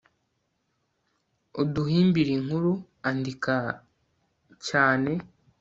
uduhimbire inkuru, andika cyane